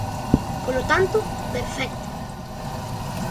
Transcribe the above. Polo tanto, perfecto.